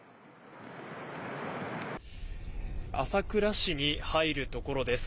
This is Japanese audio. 朝倉市に入るところです。